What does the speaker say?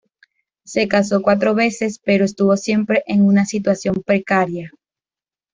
Se casó cuatro veces, pero estuvo siempre en una situación precaria.